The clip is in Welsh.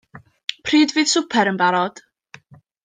Pryd fydd swper yn barod?